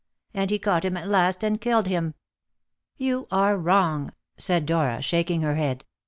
and he caught him at last and killed him." "You are wrong," said Dora, shaking her head.